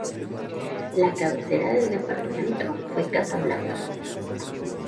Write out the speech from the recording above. La cabecera del departamento fue Casablanca.